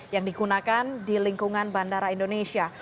yang digunakan di lingkungan bandara indonesia